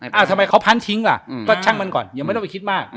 ทำไมเขาพันทิ้งล่ะก็ช่างมันก่อนยังไม่ต้องไปคิดมาก